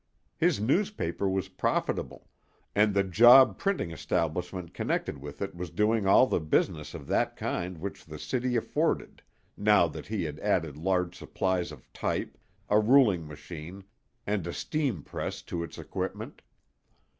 His newspaper was profitable, and the job printing establishment connected with it was doing all the business of that kind which the city afforded, now that he had added large supplies of type, a ruling machine, and a steam press to its equipment.